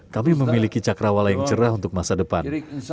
kami memiliki cakrawala yang cerah untuk masa depan